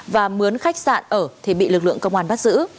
và muốn khách sạn ở thì bị lực lượng công an bắt giữ